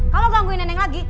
kamu gangguin neneng lagi